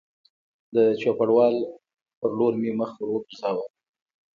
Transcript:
د چوپړوال په لور مې مخ ور وګرځاوه